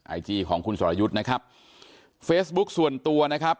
ไอจีของคุณสรยุทธ์นะครับเฟซบุ๊คส่วนตัวนะครับ